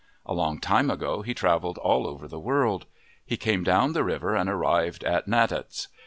A long time ago he travelled all over the world. He came down the river and arrived at Natahts.